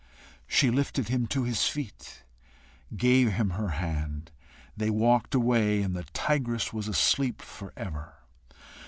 She lifted him to his feet, gave him her hand, they walked away, and the tigress was asleep for ever.